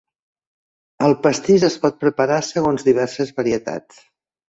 El pastís es pot preparar segons diverses varietats.